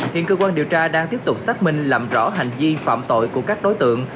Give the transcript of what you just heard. hiện cơ quan điều tra đang tiếp tục xác minh làm rõ hành vi phạm tội của các đối tượng